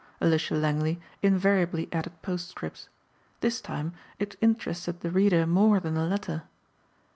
Alicia Langley invariably added postscripts. This time it interested the reader more than the letter.